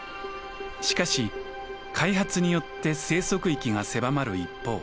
しかし開発によって生息域が狭まる一方